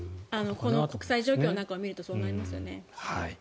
この国際状況なんかを見ると、そうなりますよね。